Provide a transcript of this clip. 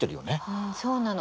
うんそうなの。